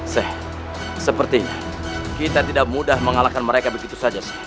seh seperti kita tidak mudah mengalahkan mereka begitu saja